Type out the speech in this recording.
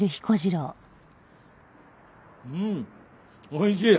うんおいしい！